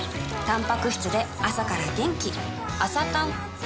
たんぱく質で朝から元気